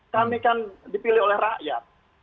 kami kan dipilih oleh rakyat